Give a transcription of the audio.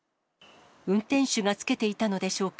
運転手がつけていたのでしょうか。